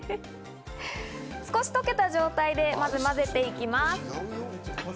少し溶けた状態でまず混ぜていきます。